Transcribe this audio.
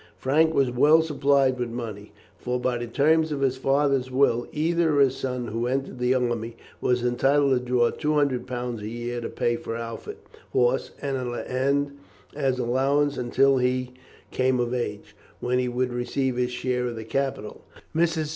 Frank was well supplied with money, for by the terms of his father's will either of his sons who entered the army was entitled to draw two hundred pounds a year to pay for outfit, horse, and as allowance until he came of age, when he would receive his share of the capital. Mrs.